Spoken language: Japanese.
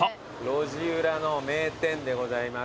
路地裏の名店でございます。